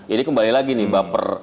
ini kembali lagi nih